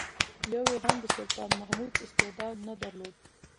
یو یې هم د سلطان محمود استعداد نه درلود.